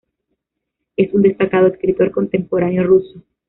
Es un destacado escritor contemporáneo ruso.